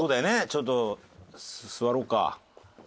ちょっと座ろうか。